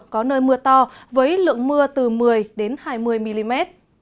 có nơi mưa to với lượng mưa từ một mươi hai mươi mm